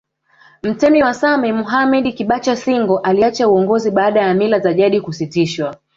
Mtemi wa Same Mohammedi Kibacha Singo aliacha uongozi baada ya mila za jadi kusitishwa